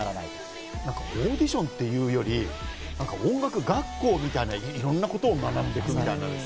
オーディションっていうより音楽学校みたい、いろんなことを学んでいく。